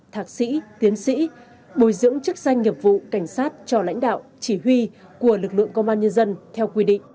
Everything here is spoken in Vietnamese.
thạc sĩ tiến sĩ bồi dưỡng chức danh nghiệp vụ cảnh sát cho lãnh đạo chỉ huy của lực lượng công an nhân dân theo quy định